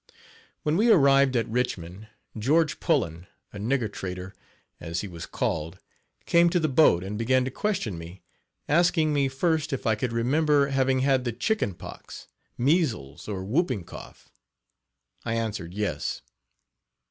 When we arrived at Richmond, George Pullan, a "nigger trader," as he was called, came to the boat and began to question me, asking me first if I could remember having had the chickenpox, measles or whooping cough. I answered, yes.